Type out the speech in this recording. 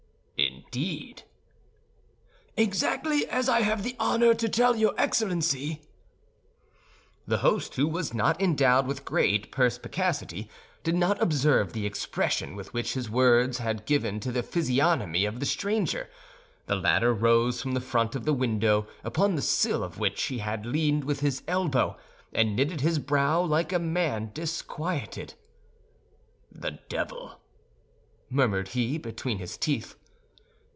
"Indeed!" "Exactly as I have the honor to tell your Excellency." The host, who was not endowed with great perspicacity, did not observe the expression which his words had given to the physiognomy of the stranger. The latter rose from the front of the window, upon the sill of which he had leaned with his elbow, and knitted his brow like a man disquieted. "The devil!" murmured he, between his teeth.